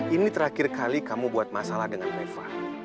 ini terakhir kali kamu buat masalah dengan eva